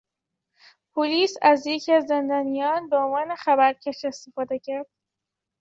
پلیس از یکی از زندانیان به عنوان خبر کش استفاده کرد.